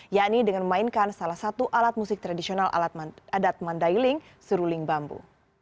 yakni dengan memainkan salah satu alat musik tradisional alat adat mandailing seruling bambu